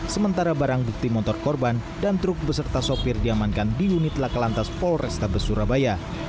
sementara barang bukti motor korban dan truk beserta sopir diamankan di unit lakalantas polrestabes surabaya